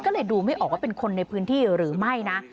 ก็เลยดูไม่ออกว่าเป็นคนในพื้นที่หรือไม่นะ